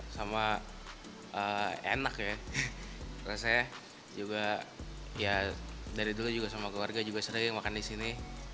sama enak ya rasanya juga ya dari dulu juga sama keluarga juga sering makan di sini